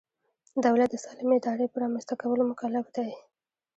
دولت د سالمې ادارې په رامنځته کولو مکلف دی.